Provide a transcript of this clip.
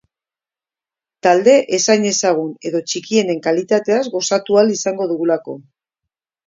Talde ez hain ezagun edo txikienen kalitateaz gozatu ahal izango dugulako.